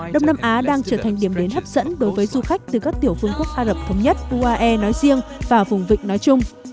đông nam á đang trở thành điểm đến hấp dẫn đối với du khách từ các tiểu phương quốc ả rập thống nhất uae nói riêng và vùng vịnh nói chung